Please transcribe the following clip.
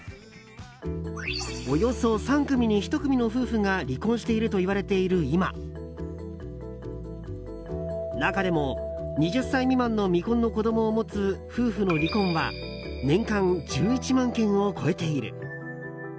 およそ３組に１組の夫婦が離婚しているといわれている今中でも２０歳未満の未婚の子供を持つ夫婦の離婚は年間１１万件を超えている。